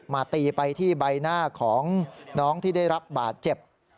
ตีไปที่ใบหน้าของน้องที่ได้รับบาดเจ็บ